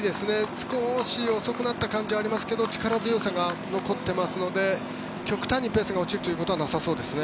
少し遅くなった感じはありますけど力強さが残ってますので極端にペースが落ちることはなさそうですね。